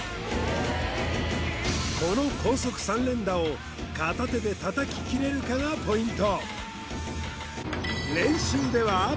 この高速３連打を片手で叩ききれるかがポイント